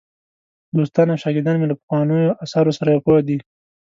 دوستان او شاګردان مې له پخوانیو آثارو سره پوه دي.